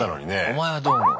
「お前はどう思う？」。